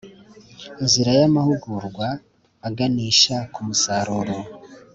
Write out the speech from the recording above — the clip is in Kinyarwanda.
nzira y amahugurwa aganisha ku musaruro